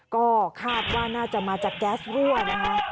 ก็คาดว่าน่าจะมาจากแก๊สรั่วนะคะ